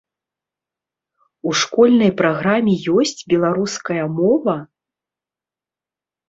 У школьнай праграме ёсць беларуская мова.